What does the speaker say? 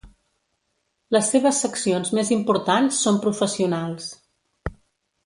Les seves seccions més importants són professionals.